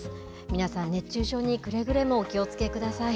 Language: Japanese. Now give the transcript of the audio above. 皆さん、熱中症にくれぐれもお気をつけください。